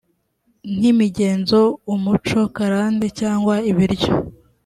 nk imigenzo umuco karande cyangwa ibiryo